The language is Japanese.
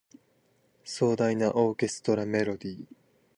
壮大なオーケストラメロディ